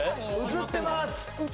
映ってます？